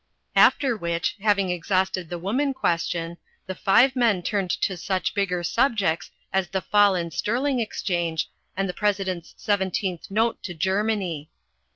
After which, having exhausted the Woman Question, the five men turned to such bigger subjects as the fall in sterling exchange and the President's seventeenth note to Germany.